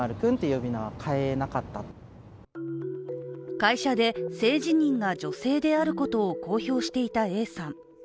会社で性自認が女性であることを公表していたＡさん。